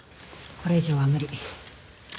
これ以上は無理。